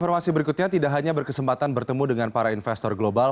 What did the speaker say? informasi berikutnya tidak hanya berkesempatan bertemu dengan para investor global